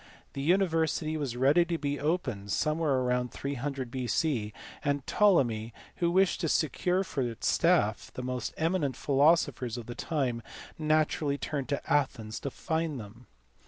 The university was ready to be opened somewhere about 300 B.C., and Ptolemy, who wished to secure for its staff the most eminent philosophers of the time, naturally turned to Athens to find them.